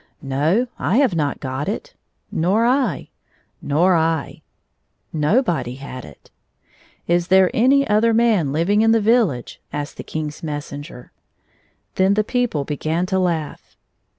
^' No ; I have not got it,"—" Nor I "—"nor I." Nobody had it. " Is there any other man hving in the village ?" asked the King's messenger. Then the people began to laugh.